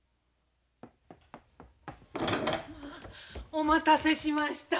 お待たせしました。